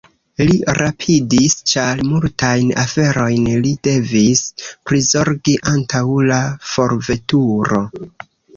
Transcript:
Li rapidis, ĉar multajn aferojn li devis prizorgi antaŭ la forveturo.